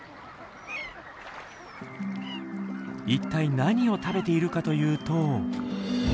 一体何を食べているかというと。